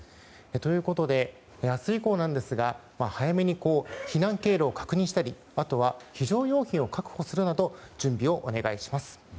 ということで、明日以降ですが早めに避難経路を確認したり非常用品を確保するなど準備をお願いします。